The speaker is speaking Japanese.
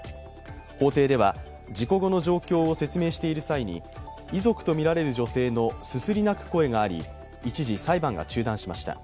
法廷では事故後の状況を説明している際に遺族とみられる女性のすすり泣く声があり一時裁判が中断しました。